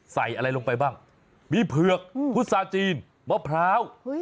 ใส่อะไรลงไปบ้างมีเผือกพุษาจีนมะพร้าว